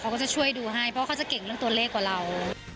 เขาก็จะช่วยดูให้เพราะเขาจะเก่งเรื่องตัวเลขกว่าเรา